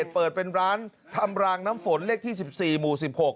เปิดเป็นร้านทำรางน้ำฝนเลขที่๑๔หมู่๑๖